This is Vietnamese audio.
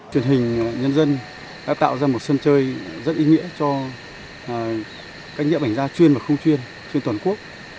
truyền hình nhân dân đã tạo ra một sân chơi rất ý nghĩa cho các nhiễu ảnh gia chuyên và không chuyên trên toàn quốc